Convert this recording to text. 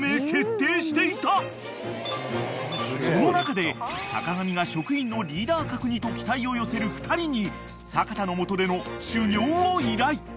［その中で坂上が職員のリーダー格にと期待を寄せる２人に阪田の下での修業を依頼］